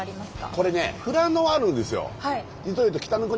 これね富良野はあるんですよ。